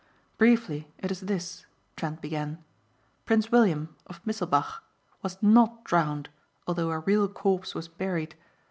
"Briefly it is this," Trent began, "Prince William, of Misselbach, was not drowned although a real corpse was buried.